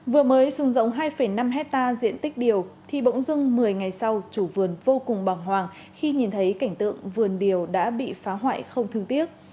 vừa mới xuống rộng hai năm hectare diện tích điều thì bỗng dưng một mươi ngày sau chủ vườn vô cùng bằng hoàng khi nhìn thấy cảnh tượng vườn điều đã bị phá hoại không thương tiếc